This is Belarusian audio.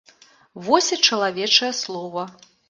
Вось і чалавечае слова!